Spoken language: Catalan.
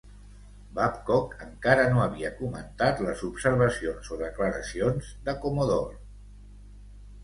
Babcock encara no havia comentat les observacions o declaracions de Commodore.